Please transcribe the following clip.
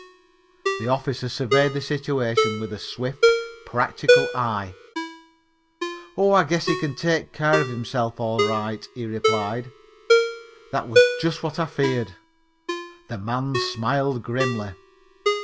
The officer surveyed the situation with a swift, practical eye. "Oh, I guess he can take care of himself all right," he replied. That was just what I feared. The man smiled grimly.